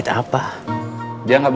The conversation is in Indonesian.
kalau kamu terserah itu